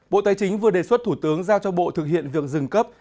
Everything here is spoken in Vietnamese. bộ tài chính vừa đề xuất thủ tướng giao cho bộ thực hiện việc dừng cấp